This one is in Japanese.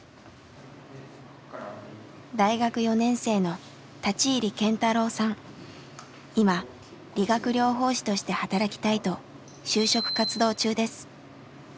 大学４年生の今理学療法士として働きたいと就職活動中です。